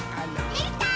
できたー！